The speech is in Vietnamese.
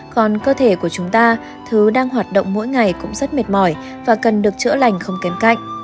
còn cơ thể của chúng ta thứ đang hoạt động mỗi ngày cũng rất mệt mỏi và cần được chữa lành không kém cạnh